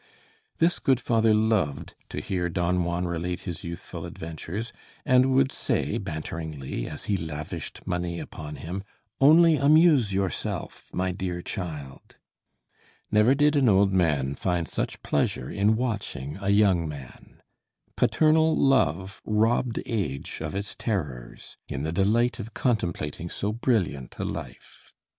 This good father loved to hear Don Juan relate his youthful adventures, and would say, banteringly, as he lavished money upon him: "Only amuse yourself, my dear child!" Never did an old man find such pleasure in watching a young man. Paternal love robbed age of its terrors in the delight of contemplating so brilliant a life.